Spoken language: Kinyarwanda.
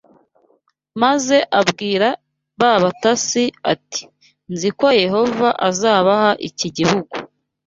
maze abwira ba batasi ati nzi ko Yehova azabaha iki gihugu